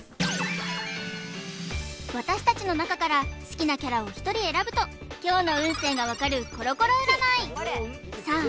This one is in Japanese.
私たちのなかから好きなキャラをひとり選ぶと今日の運勢がわかるコロコロ占いさあ